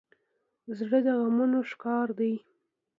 زړه د غمونو ښکار دی.